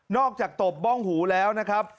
จากตบบ้องหูแล้วนะครับ